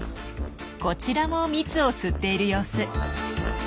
こちらも蜜を吸っている様子。